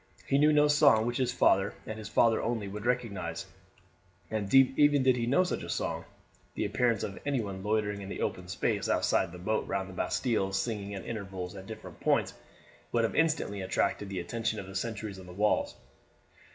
He knew no song which his father, and his father only, would recognize; and even did he know such a song, the appearance of anyone loitering in the open space outside the moat round the Bastille singing at intervals at different points would have instantly attracted the attention of the sentries on the walls.